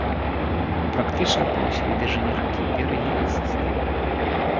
Практычна па ўсёй даўжыні ракі берагі лясістыя.